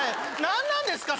何なんですか？